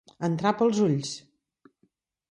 Entrar pels ulls.